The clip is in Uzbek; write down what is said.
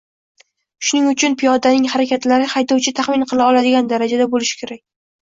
Shuning uchun piyodaning harakatlari haydovchi taxmin qila oladigan darajada bo‘lishi kerak.